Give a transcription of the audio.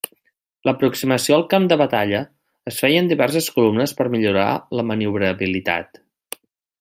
L'aproximació al camp de batalla es feia en diverses columnes per millorar la maniobrabilitat.